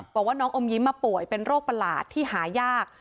บอกว่าน้องอมยิ้มมาป่วยเป็นโรคประหลาดที่หายาก